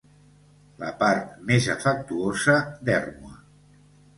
La part més afectuosa d'Ermua.